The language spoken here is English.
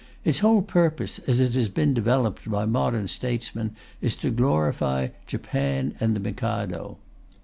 Its whole purpose, as it has been developed by modern statesmen, is to glorify Japan and the Mikado.